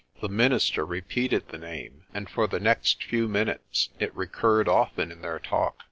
The minister repeated the name, and for the next few minutes it recurred often in their talk.